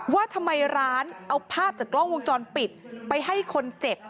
ว่าทำไมร้านเอาภาพจากกล้องวงจรปิดไปให้คนเจ็บ